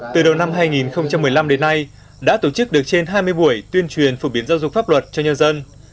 từ đầu năm hai nghìn một mươi năm đến nay đã tổ chức được trên hai mươi buổi tuyên truyền phổ biến giáo dục pháp luật cho nhân dân